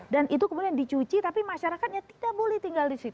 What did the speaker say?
dan itu kemudian dicuci tapi masyarakatnya tidak boleh tinggal di situ